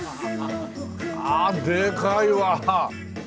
ああでかいわ！